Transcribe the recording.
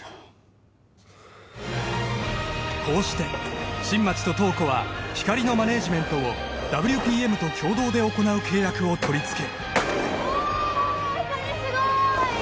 こうして新町と塔子はひかりのマネージメントをＷＰＭと共同で行う契約を取り付けるうおっひかり